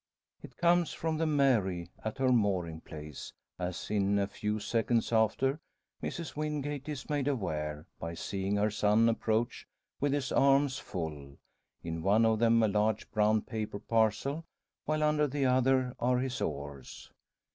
It comes from the Mary, at her mooring place; as, in a few seconds after, Mrs Wingate is made aware, by seeing her son approach with his arms full in one of them a large brown paper parcel, while under the other are his oars.